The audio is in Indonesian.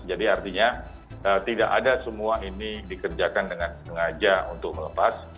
jadi artinya tidak ada semua ini dikerjakan dengan sengaja untuk melepas